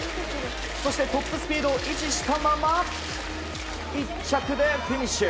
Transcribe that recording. そしてトップスピードを維持したまま１着でフィニッシュ。